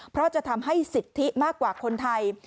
เพราะจะทำให้สิทธิมากกว่าคนไทย